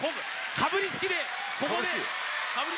かぶりつきで、ここで。